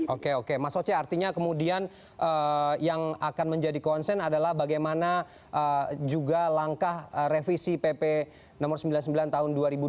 oke oke mas oce artinya kemudian yang akan menjadi konsen adalah bagaimana juga langkah revisi pp no sembilan puluh sembilan tahun dua ribu dua puluh